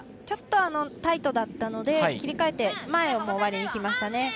ちょっとタイトだったので切り替えて前を割りにきましたね。